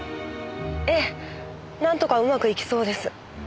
ええなんとかうまくいきそうです。